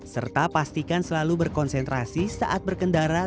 serta pastikan selalu berkonsentrasi saat berkendara